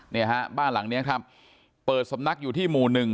เนี่ยฮะบ้านหลังนี้ครับเปิดสำนักอยู่ที่หมู่หนึ่ง